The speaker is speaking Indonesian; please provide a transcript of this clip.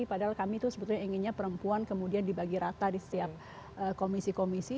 padahal kami itu sebetulnya inginnya perempuan kemudian dibagi rata di setiap komisi komisi